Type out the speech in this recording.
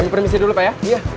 di permisi dulu pak ya